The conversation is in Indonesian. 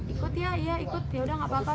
ikut ya ya ikut ya sudah gak apa apa